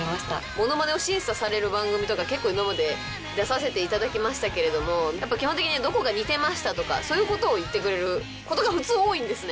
物まねを審査される番組とか結構今まで出させていただきましたけれどもやっぱ基本的にどこが似てましたとかそういうことを言ってくれることが普通多いんですね。